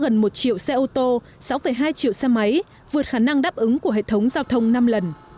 đến năm hai nghìn hai mươi hà nội sẽ có gần một triệu xe ô tô sáu hai triệu xe máy vượt khả năng đáp ứng của hệ thống giao thông năm lần